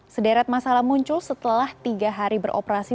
sederet masalah muncul setelah tiga hari beroperasi